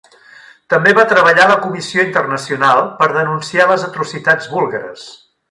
També va treballar a la Comissió Internacional per denunciar les atrocitats búlgares.